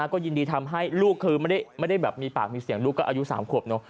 ก็ยินดีทำให้ลูกคือไม่ได้แบบมีปากมีเสียงลูกก็อายุ๓ขวบเนอะ